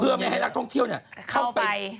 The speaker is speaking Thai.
เพื่อไม่ให้นักท่องเที่ยวเข้าไป